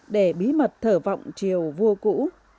để bí mật thở vọng triều vua cũ